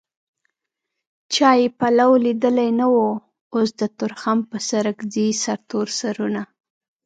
چا يې پلو ليدلی نه و اوس د تورخم په سرک ځي سرتور سرونه